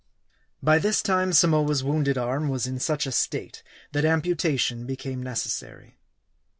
BY this time Samoa's wounded arm was in such a state, that amputation became necessary.